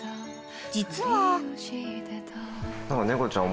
［実は］